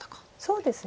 そうですね。